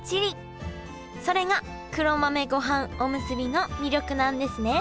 それが黒豆ごはんおむすびの魅力なんですね